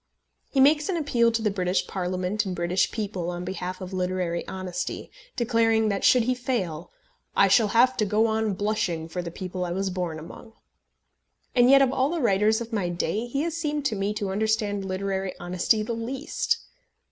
He makes an appeal to the British Parliament and British people on behalf of literary honesty, declaring that should he fail "I shall have to go on blushing for the people I was born among." And yet of all the writers of my day he has seemed to me to understand literary honesty the least.